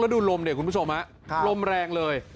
ระดูนรมคุณผู้ชมรมแรงเลย